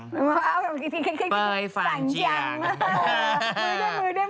อ้าวคิดเป๋ยฝานเจียง